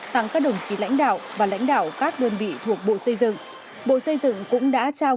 tặng các đồng chí lãnh đạo và lãnh đạo các đơn vị thuộc bộ xây dựng bộ xây dựng cũng đã trao